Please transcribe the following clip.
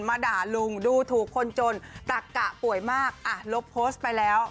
มาด่าลุงดูถูกคนจนตักกะป่วยมากอ่ะลบโพสต์ไปแล้ว